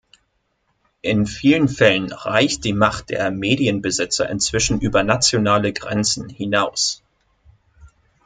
In vielen Fällen reicht die Macht der Medienbesitzer inzwischen über nationale Grenzen hinaus.